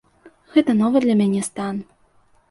Гэта новы для мяне стан.